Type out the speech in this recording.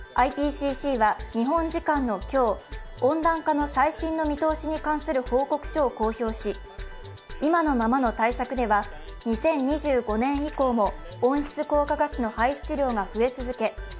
ＩＰＣＣは日本時間の今日、温暖化の最新の見通しに関する報告書を公表し、今のままの対策では２０２５年以降も温室効果ガスの排出量が増え続け